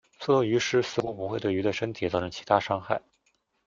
缩头鱼虱似乎不会对鱼的身体造成其他伤害。